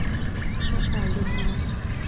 mẹ thảo liền nói